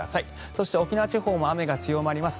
そして沖縄地方も雨が強まります。